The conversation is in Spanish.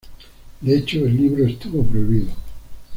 De hecho, el libro estuvo prohibido.